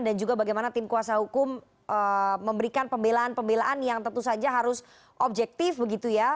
dan juga bagaimana tim kuasa hukum memberikan pembelaan pembelaan yang tentu saja harus objektif begitu ya